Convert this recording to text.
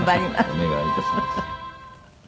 お願い致します。